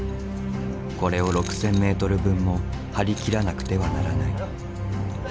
これを６，０００ｍ分も張り切らなくてはならない。